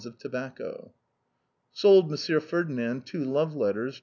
of tobacco. *' Sold M. Ferdinand two love letters.